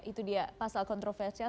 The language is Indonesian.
itu dia pasal kontroversial